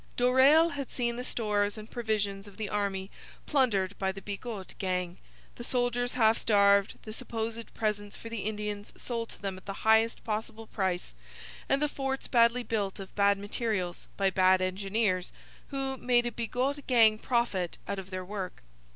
Doreil had seen the stores and provisions of the army plundered by the Bigot gang, the soldiers half starved, the supposed presents for the Indians sold to them at the highest possible price, and the forts badly built of bad materials by bad engineers, who made a Bigot gang profit out of their work.